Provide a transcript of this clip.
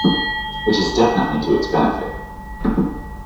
Which is definitely to its benefit".